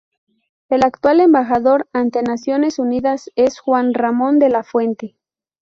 El actual embajador ante Naciones Unidas es Juan Ramón de la Fuente.